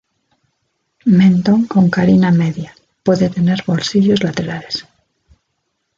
Mentón con carina media, puede tener bolsillos laterales.